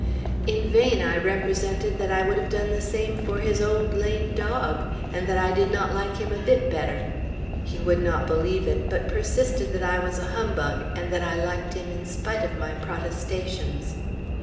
In vain I represented that I would have done the same for his old lame dog, and that I did not like him a bit better; he would not believe it, but persisted that I was a humbug and that I liked him in spite of my protestations.